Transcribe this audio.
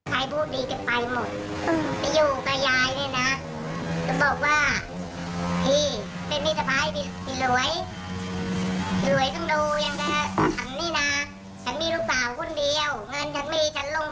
และให้ลูกชายไม่มีติดเขาก็ไม่ยุ่ง